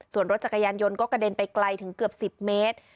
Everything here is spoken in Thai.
ส่วนรถจักรยานยนต์ก็กระเด็นไปไกลถึงเกือบ๑๐เมตร